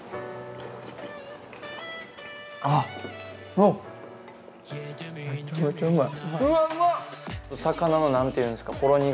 あっ、めちゃめちゃうまい。